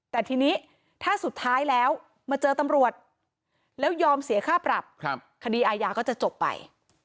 แต่ทีนี้ถ้าสุดท้ายแล้วมาเจอตำรวจแล้วยอมเสียค่าปรับคดีอาญาก็จะจบไป